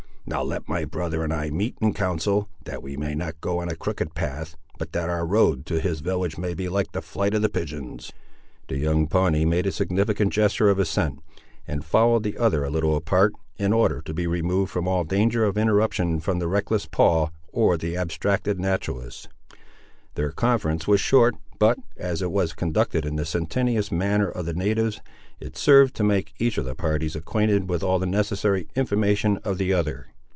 Now let my brother and I meet in council, that we may not go on a crooked path, but that our road to his village may be like the flight of the pigeons." The young Pawnee made a significant gesture of assent and followed the other a little apart, in order to be removed from all danger of interruption from the reckless Paul, or the abstracted naturalist. Their conference was short, but, as it was conducted in the sententious manner of the natives, it served to make each of the parties acquainted with all the necessary information of the other.